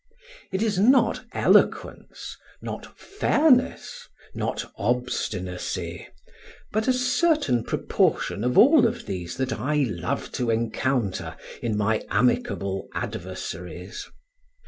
It is not eloquence, not fairness, not obstinacy, but a certain proportion of all of these that I love to encounter in my amicable adversaries.